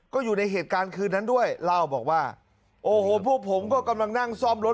ก็อยู่ในเหตุการณ์คืนนั้นด้วยเล่าบอกว่าโอ้โหพวกผมก็กำลังนั่งซ่อมรถ